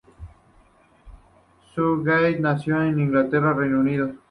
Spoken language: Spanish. Southgate nació en Inglaterra, Reino Unido.